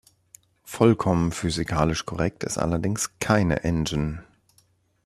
Vollkommen physikalisch korrekt ist allerdings keine Engine.